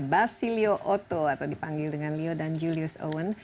basilio oto atau dipanggil dengan leo dan julius owen